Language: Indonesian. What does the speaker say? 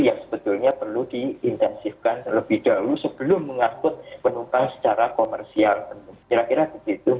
yang sebetulnya perlu diintensifkan lebih dahulu sebelum mengangkut penumpang secara komersial